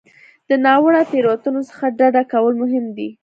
له ناوړه تېروتنو څخه ډډه کول مهم دي.